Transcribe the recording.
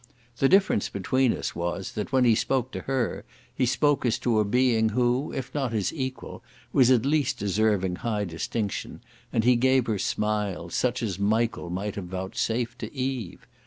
The difference between us was, that when he spoke to her, he spoke as to a being who, if not his equal, was at least deserving high distinction; and he gave her smiles, such as Michael might have vouchsafed to Eve.